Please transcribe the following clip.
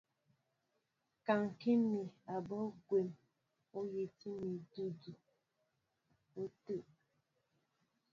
Kaŋkí mi abɔ́ kwón ú hɛ́ti mi idʉdʉ ôteŋ.